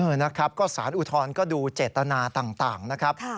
นะครับก็สารอุทธรณ์ก็ดูเจตนาต่างนะครับ